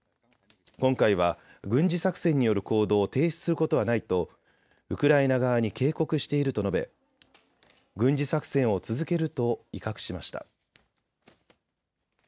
今回は軍事作戦による行動を停止することはないとウクライナ側に警告していると述べ軍事作戦を続けると威嚇しました。